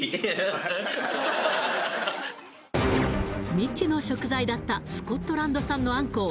未知の食材だったスコットランド産のアンコウ